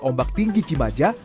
ombak tinggi cimaja